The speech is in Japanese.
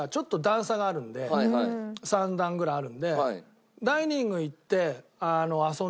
３段ぐらいあるんで。